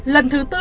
lần thứ bốn